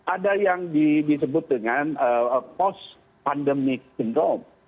ada yang disebut dengan post pandemic syndrome